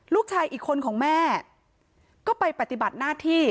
ลูกชายอีกคนของแม่ก็ไปปฏิบัติหน้าที่